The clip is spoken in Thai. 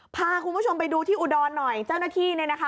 พาคุณผู้ชมไปดูที่อุดรหน่อยเจ้าหน้าที่เนี่ยนะคะ